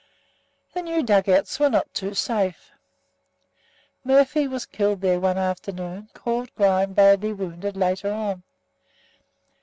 The new dug outs were not too safe. Murphy was killed there one afternoon, and Claude Grime badly wounded later on.